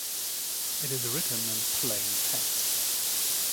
It is written in plain text.